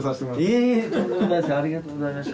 いえいえとんでもないですありがとうございました